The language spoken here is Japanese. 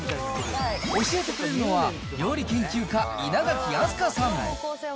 教えてくれるのは、料理研究家、稲垣飛鳥さん。